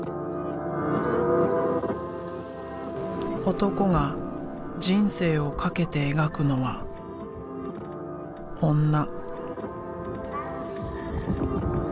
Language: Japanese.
男が人生をかけて描くのは「女」。